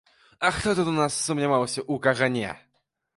А хто тут у нас сумняваўся ў кагане?